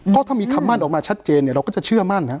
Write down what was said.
เพราะถ้ามีคำมั่นออกมาชัดเจนเราก็จะเชื่อมั่น